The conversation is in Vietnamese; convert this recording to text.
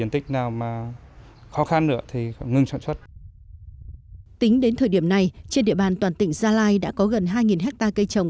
tính đến thời điểm này trên địa bàn toàn tỉnh gia lai đã có gần hai hectare cây trồng